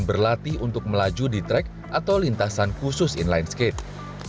berlatih untuk melaju di track atau lintasan khusus inline skate